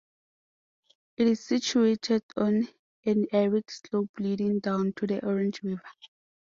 It is situated on an arid slope leading down to the Orange River.